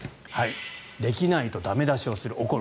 できないと駄目出しをする、怒る。